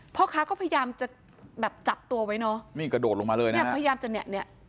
พ่อค้าก็พยายามจะแบบจับตัวไว้เนอะนี่กระโดดลงมาเลยนะเนี่ยพยายามจะเนี่ยเนี่ย